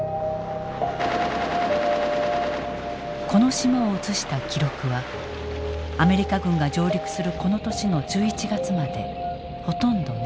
この島を映した記録はアメリカ軍が上陸するこの年の１１月までほとんどない。